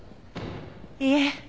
いえ。